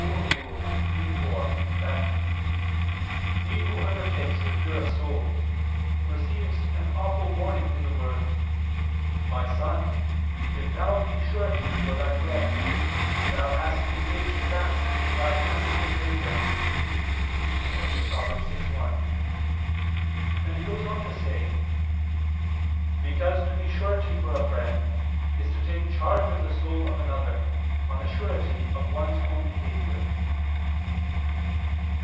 iii, 4) that "he who undertakes the cure of souls, receives an awful warning in the words: 'My son, if thou be surety for thy friend, thou hast engaged fast thy hand to a stranger'" (Prov. 6:1); and he goes on to say, "because to be surety for a friend is to take charge of the soul of another on the surety of one's own behavior."